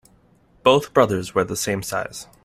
Both brothers wear the same size.